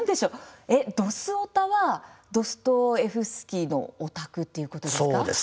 「ドスオタ」はドストエフスキーのオタクということですか。